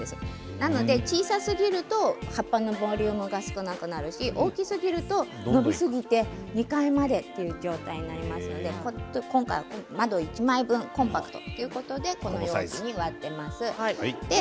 なので小さすぎると葉っぱの分量が少なくなるし大きすぎると伸びすぎて２階までという状態になりますので今回は窓１枚分コンパクトということでこのサイズに植えています。